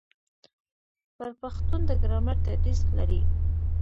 بر پښتون د ګرامر تدریس لري.